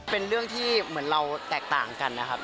เป็นเรื่องที่เหมือนเราแตกต่างกันนะครับ